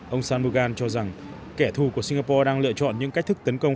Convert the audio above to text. ông sam mugan cho rằng kẻ thù của singapore đang lựa chọn những cách thức tấn công